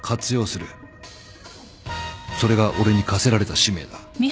それが俺に課せられた使命だ。